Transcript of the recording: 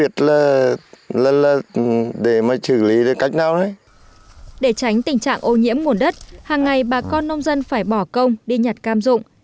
để tránh tình trạng ô nhiễm nguồn đất hàng ngày bà con nông dân phải bỏ công đi nhặt cam dụng